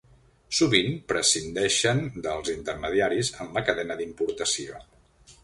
Sovint prescindeixen dels intermediaris en la cadena d'importació.